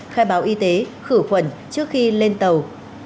khai báo y tế khử khuẩn trước khi lên tàu